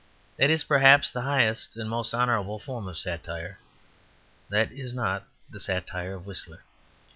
That is, perhaps, the highest and most honourable form of satire. That is not the satire of Whistler.